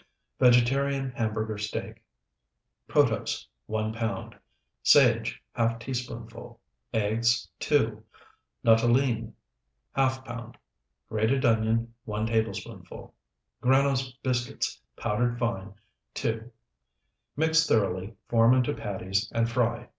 VEGETARIAN HAMBURGER STEAK Protose, 1 pound. Sage, ½ teaspoonful. Eggs, 2. Nuttolene, ½ pound. Grated onion, 1 tablespoonful. Granose biscuits, powdered fine, 2. Mix thoroughly, form into patties, and fry.